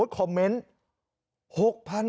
เข้าใจ